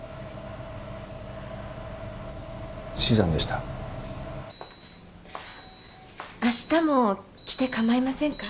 死産でした明日も来てかまいませんか？